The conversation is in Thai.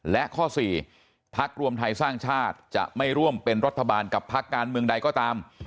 และข้อ๔พักรวมไทยสร้างชาติจะไม่ร่วมเป็นรัฐบาลกับพักการเมืองใดก็ตาม